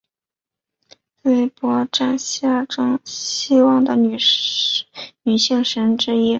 司珀斯古罗马宗教和神话中职司希望的女性神只之一。